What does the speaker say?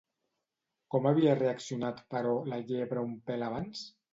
Com havia reaccionat, però, la llebre un pèl abans?